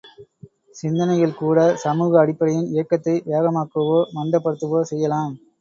சிந்தனைகள்கூட சமூக அடிப்படையின் இயக்கத்தை வேகமாக்கவோ, மந்தப்படுத்தவோ செய்யலாம்.